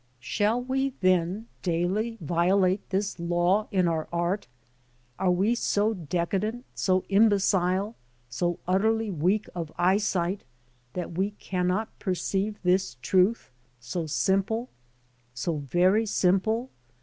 Shall we, then, daily violate this law in our art? Are we so de cadent, so imbecile, so utterly weak of eyesight, that we cannot per ceive this truth so simple, so very simple?